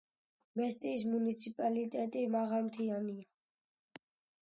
მესტიის მუნიციპალიტეტი მაღალმთიანია.